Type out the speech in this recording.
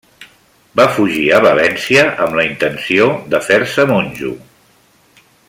Va fugir a València amb la intenció de fer-se monjo.